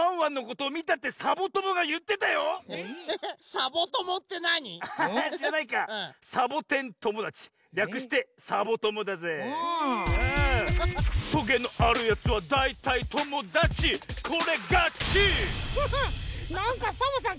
「とげのあるやつはだいたいともだちこれがち」なんかサボさん